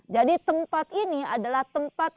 jadi tempat ini adalah tempat